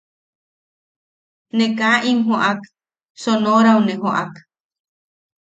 Ne kaa im joʼak, Sonorau ne joʼak.